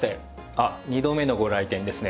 あっ２度目のご来店ですね。